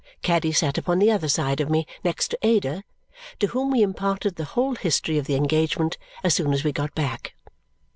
Caddy sat upon the other side of me, next to Ada, to whom we imparted the whole history of the engagement as soon as we got back.